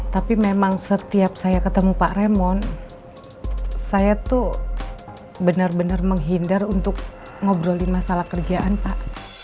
tapi memang setiap saya ketemu pak ramon saya tuh benar benar menghindar untuk ngobrolin masalah kerjaan pak